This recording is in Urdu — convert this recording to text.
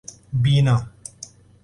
بینا